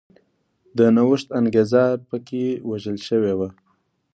د نوښت انګېزه په کې وژل شوې وه.